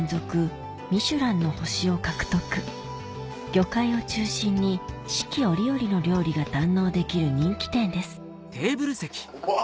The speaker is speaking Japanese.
一行が訪れたのは四季折々の料理が堪能できる人気店ですうわ！